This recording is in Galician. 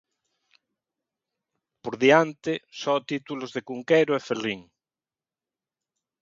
Por diante, só títulos de Cunqueiro e Ferrín.